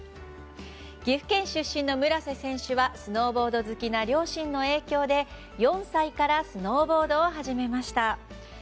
岐阜県出身の村瀬選手はスノーボード好きな両親の影響で４歳からスノーボードを始めました。